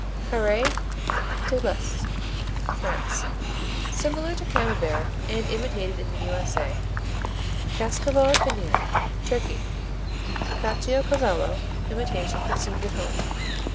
Carré de l'Est France Similar to Camembert, and imitated in the U.S.A. Cascaval Penir Turkey Cacciocavallo imitation consumed at home.